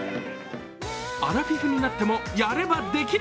アラフィフになってもやればできる！